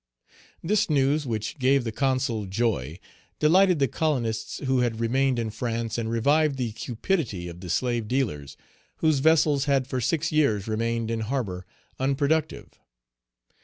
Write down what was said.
This news, which gave the Consul joy, delighted the colonists who had remained in France, and revived the cupidity of the slave dealers whose vessels had for six years remained in harbor unproductive.